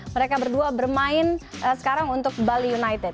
mereka berdua bermain sekarang untuk bali united